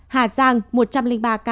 hà giang một trăm linh ba ca